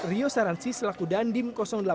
rio saransi selaku dandim delapan ratus dua puluh